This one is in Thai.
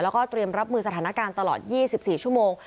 แล้วก็เตรียมรับมือสถานการณ์ตลอด๒๔ชั่วโมง